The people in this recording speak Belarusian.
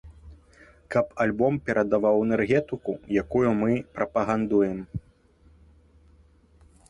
Каб альбом перадаваў энергетыку, якую мы прапагандуем.